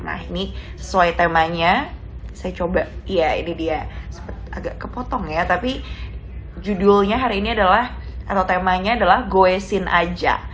nah ini sesuai temanya saya coba ya ini dia agak kepotong ya tapi judulnya hari ini adalah atau temanya adalah goesin aja